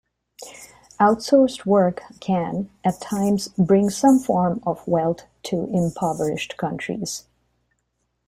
Outsourced work can, at times, bring some form of wealth to impoverished countries.